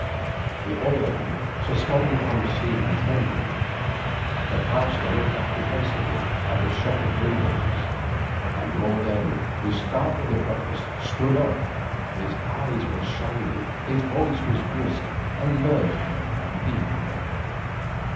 The oil lamp, suspended from the ceiling, trembled; the Pasteur looked apprehensively at the shuttered windows; and Lord Ernie, with startling abruptness, stood up. His eyes were shining. His voice was brisk, alert, and deep.